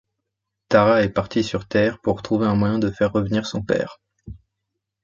Tara est partie sur Terre pour trouver un moyen de faire revenir son père.